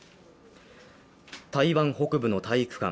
台湾北部の体育館。